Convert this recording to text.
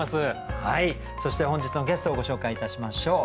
そして本日のゲストをご紹介いたしましょう。